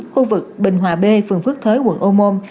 khu vực bình hòa b phường phước thới quận ô môn